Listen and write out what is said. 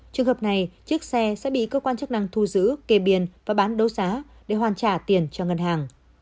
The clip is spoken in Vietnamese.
trường hợp này chiếc xe sẽ bị cơ quan chức năng thu giữ kê biên và bán đấu giá để hoàn trả tiền cho ngân hàng